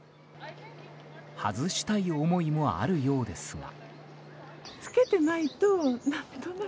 外したい思いもあるようですが。